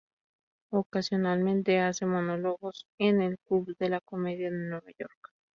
Ocasionalmente hace monólogos en el Club de la Comedia de Nueva York.